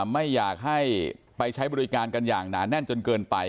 ไม่อยากให้ไปใช้บริการกันอย่างหนาแน่นจนเกินไป